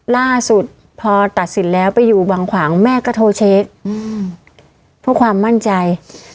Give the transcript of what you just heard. ล่าสุดพอตัดสินแล้วไปอยู่วังขวางแม่ก็โทรเช็คเพื่อความมั่นใจ